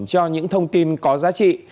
cho những thông tin có giá trị